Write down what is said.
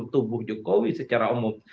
sepertubuh jokowi secara umum